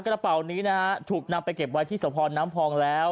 กระเป๋านี้นะฮะถูกนำไปเก็บไว้ที่สะพรน้ำพองแล้ว